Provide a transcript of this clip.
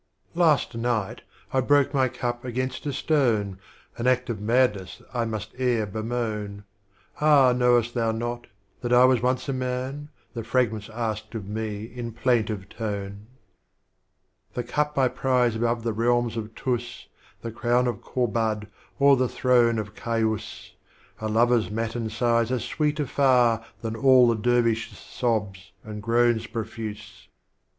I ast Night I broke my Cup against a stone, An Act of Madness I must ere bemoan ;— Ah, knowest thou not, that I was once a Man? The Fragments asked of me in plaintive tone. II. The Cup I prize above the Reahns of Tus The Crown of Kobtld or the Throne of Kaiiis;'* A Lover's Matin Sighs are sweeter far Than all the Dervish's Sobs and Groans profuse.